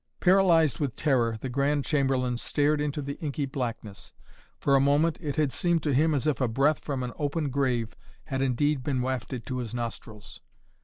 Paralyzed with terror, the Grand Chamberlain stared into the inky blackness. For a moment it had seemed to him as if a breath from an open grave had indeed been wafted to his nostrils.